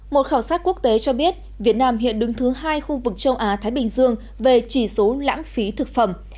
một khảo sát quốc tế cho biết việt nam hiện đứng thứ hai khu vực châu á thái bình dương về chỉ số lãng phí thực phẩm